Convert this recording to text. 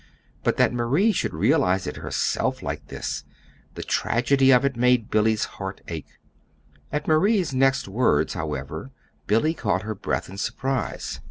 But that Marie should realize it herself like this the tragedy of it made Billy's heart ache. At Marie's next words, however, Billy caught her breath in surprise.